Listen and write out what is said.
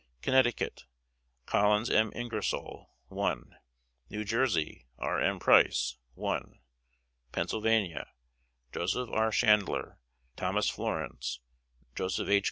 Connecticut: Collins M. Ingersoll 1 New Jersey: R. M. Price 1. Pennsylvania: Joseph R. Chandler, Thomas Florence, Joseph H.